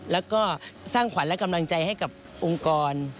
แล้วก็สร้างขวัญและกำลังใจให้กับองค์กร